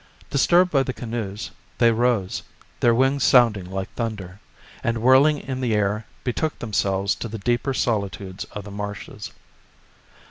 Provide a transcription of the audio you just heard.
Disturbed by the canoes, they rose, their wings sounding like thunder, and whirling in the air betook themselves to the deeper solitudes of the marshes.